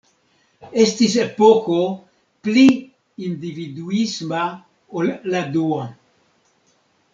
Estis epoko pli individuisma ol la dua.